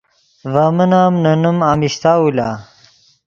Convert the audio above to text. ڤے من ام نے نیم امیشتاؤ لا